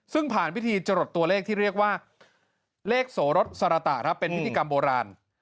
ซึ่งผ่านพิธีจรดตัวเลขที่เรียกว่าเลขโสรสสรตะครับเป็นพิธีกรรมโบราณ